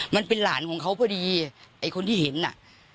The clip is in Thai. มันเป็นหลานของเขาพอดีไอ้คนที่เห็นน่ะ